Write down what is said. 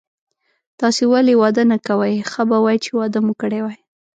تاسي ولي واده نه کوئ، ښه به وای چي واده مو کړی وای.